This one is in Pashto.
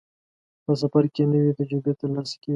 په سفر کې نوې تجربې ترلاسه کېږي.